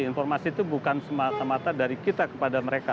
informasi itu bukan semata mata dari kita kepada mereka